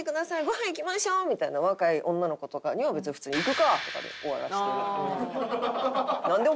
ごはん行きましょう」みたいな若い女の子とかには別に普通に「行くかぁ！」とかで終わらせています。